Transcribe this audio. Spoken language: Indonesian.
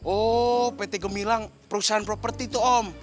oh pt gemilang perusahaan properti itu om